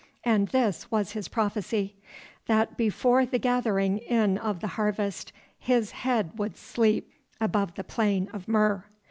And this was his prophecy; that before the gathering in of the harvest his head should sleep above the plain of Mur.